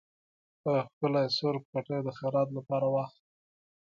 ښه ښکلے څورب کټے د خيرات لپاره واخله۔